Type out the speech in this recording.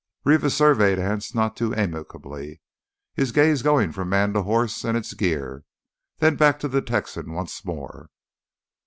Rivas surveyed Anse none too amicably, his gaze going from man to horse and its gear, then back to the Texan once more.